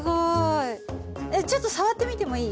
ちょっと触ってみてもいい？